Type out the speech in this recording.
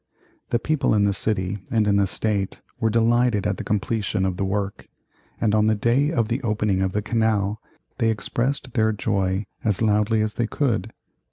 The people in the city and in the State were delighted at the completion of the work, and on the day of the opening of the canal they expressed their joy as loudly as they could.